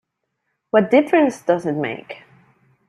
What difference does that make?